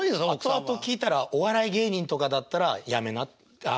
後々聞いたらお笑い芸人とかだったらやめなあ